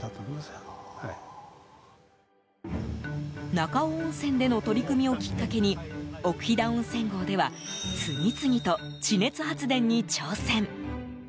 中尾温泉での取り組みをきっかけに奥飛騨温泉郷では次々と地熱発電に挑戦。